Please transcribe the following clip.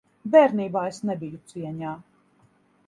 Bērnībā es nebiju cieņā.